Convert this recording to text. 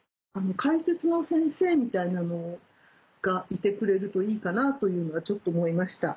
解説の先生みたいなのがいてくれるといいかなというのはちょっと思いました。